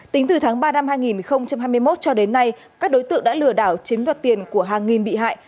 tính từ tháng ba năm hai nghìn hai mươi một cho đến nay các đối tượng đã lừa đảo chiếm đoạt tiền của hàng nghìn bị hại